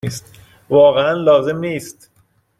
واقعا لازم نیست.